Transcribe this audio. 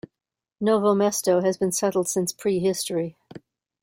Novo Mesto has been settled since pre-history.